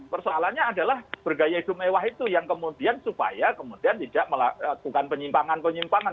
persoalannya adalah bergaya hidup mewah itu yang kemudian supaya kemudian tidak melakukan penyimpangan penyimpangan